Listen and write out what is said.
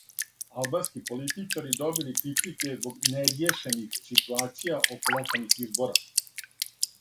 Албански политичари добили критике због неријешене ситуације око локалних избора